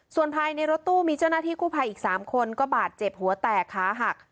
ส่วนภายในรถตู้มีเจ้าหน้าที่กู้ภัยอีก๓คนก็บาดเจ็บหัวแตกขาหัก